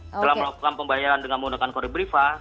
setelah melakukan pembayaran dengan menggunakan kode briva